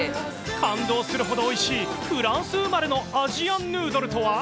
感動するほどおいしい、フランス生まれのアジアンヌードルとは？